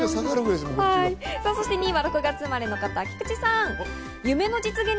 ２位は６月生まれの方、菊地さん。